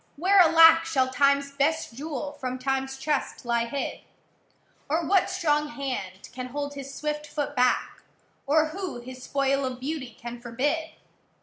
where, alack, Shall Timeâs best jewel from Timeâs chest lie hid? Or what strong hand can hold his swift foot back? Or who his spoil of beauty can forbid?